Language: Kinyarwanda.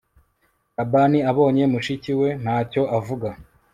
Labani abonye mushiki we ntacyo avuga